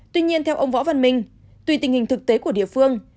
tuy nhiên theo ông võ văn minh tùy tình hình thực tế của địa phương